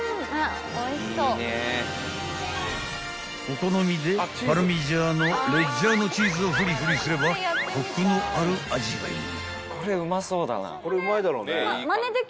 ［お好みでパルミジャーノ・レッジャーノチーズをフリフリすればコクのある味わいに］